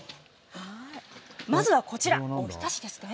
まずはこちら、お浸しですね。